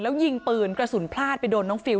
แล้วยิงปืนกระสุนพลาดไปโดนน้องฟิล